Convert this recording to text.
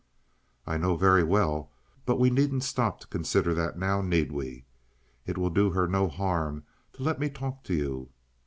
"I know very well, but we needn't stop to consider that now, need we? It will do her no harm to let me talk to you.